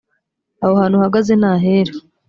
aho hantu uhagaze ni ahera